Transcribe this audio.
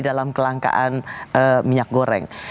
dalam kelangkaan minyak goreng